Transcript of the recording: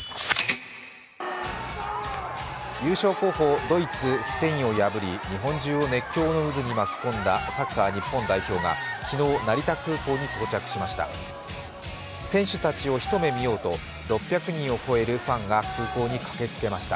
優勝候補・ドイツ、スペインを破り日本中を熱狂の渦に巻き込んだサッカー日本代表が昨日、成田空港に到着しました。